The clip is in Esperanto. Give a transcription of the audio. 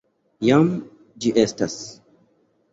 Jam ĝi estas.